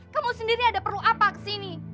kamu sendiri ada perlu apa di sini